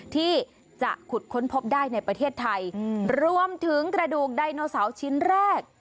ที่จะขุดค้นพบได้ในประเทศไทยรวมถึงกระดูกไดโนเสาร์ชิ้นแรก